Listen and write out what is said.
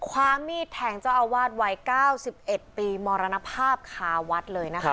ความมีดแทงเจ้าอาวาสวัยเก้าสิบเอ็ดปีมรณภาพคาวัดเลยนะครับ